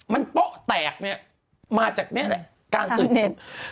มันโป๊ะแตกเนี่ยมาจากการสืบ